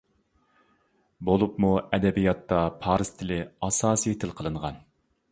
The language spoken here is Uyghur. بولۇپمۇ ئەدەبىياتتا پارس تىلى ئاساسىي تىل قىلغان.